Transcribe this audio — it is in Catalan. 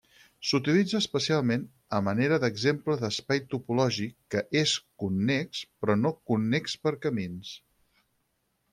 S'utilitza especialment a manera d'exemple d'espai topològic que és connex però no connex per camins.